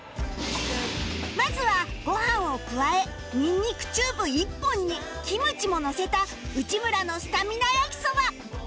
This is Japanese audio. まずはご飯を加えニンニクチューブ１本にキムチものせた内村のスタミナ焼きそば